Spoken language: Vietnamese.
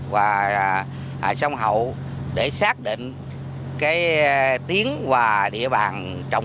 và sông hậu để xác định tuyến và địa bàn